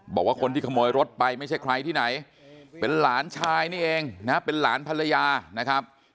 บอกว่าคนที่ขโมยรถไปไม่ใช่ใครที่ไหนเป็นหลานชายนี่เองนะเป็นหลานภรรยานะครับ